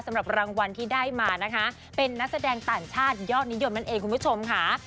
สำหรับรางวัลที่ได้มานะคะเป็นนักแสดงต่างชาติยอดนิยมนั่นเองคุณผู้ชมค่ะ